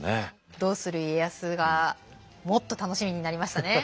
「どうする家康」がもっと楽しみになりましたね。